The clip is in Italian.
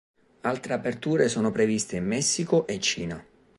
Altre aperture sono previste in Messico e Cina.